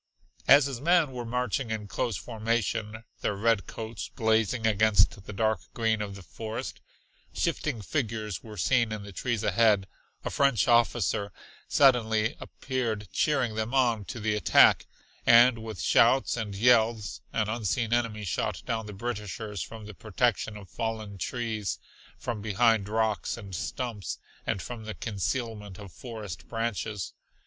As his men were marching in close formation, their red coats blazing against the dark green of the forest, shifting figures were seen in the trees ahead, a French officer suddenly appeared cheering them on to the attack, and with shouts and yells an unseen enemy shot down the Britishers from the protection of fallen trees, from behind rocks and stumps, and from the concealment of forest branches.